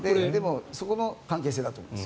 そこの関係性だと思います。